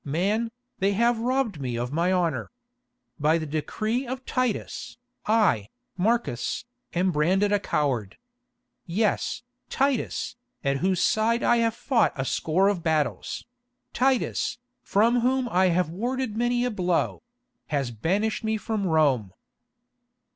Man, they have robbed me of my honour. By the decree of Titus, I, Marcus, am branded as a coward. Yes, Titus, at whose side I have fought a score of battles—Titus, from whom I have warded many a blow—has banished me from Rome."